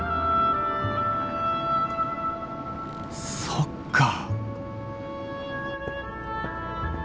そっか。